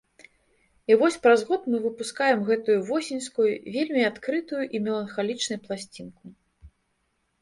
І вось праз год мы выпускаем гэтую восеньскую, вельмі адкрытую і меланхалічнай пласцінку.